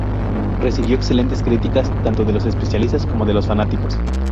Recibió excelentes críticas, tanto de los especialistas como de los fanáticos.